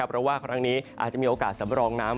เพราะว่าครั้งนี้อาจจะมีโอกาสสำรองน้ำ